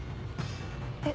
えっ？